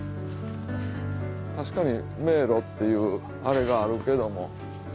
確かに迷路っていうあれがあるけども。